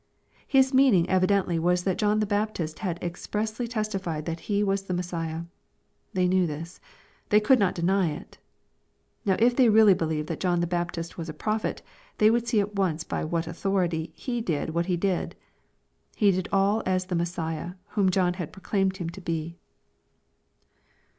His meaning evidently was that John the Baptist had expressly testified that He was the Messiah. They knew this. They could not deny it. Now if they really believed that John the Baptist was a prophet^ they would see at once by *' what authority" He did what He did. He did all as the Messiah, whom Joha had proclaimed Him to be.